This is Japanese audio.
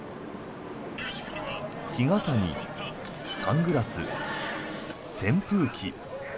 日傘にサングラス、扇風機。